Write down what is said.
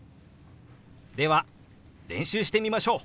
では練習してみましょう！